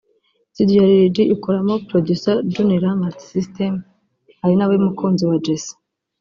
studio ya Lil G ikoramo Producer Juniror Multisystem ari na we mukunzi wa Jessy